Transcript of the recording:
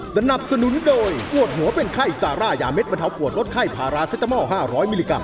สนับสนุนโดยปวดหัวเป็นไข้ซาร่ายาเด็ดบรรเทาปวดลดไข้พาราเซตามอล๕๐๐มิลลิกรั